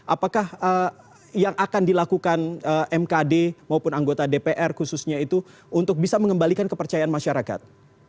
apakah yang akan dilakukan mkd maupun anggota dpr khususnya itu untuk bisa mengembalikan kepercayaan masyarakat